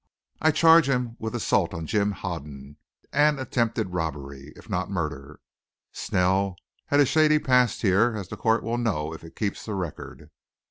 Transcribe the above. I charge him with assault on Jim Hoden and attempted robbery if not murder. Snell had a shady past here, as the court will know if it keeps a record."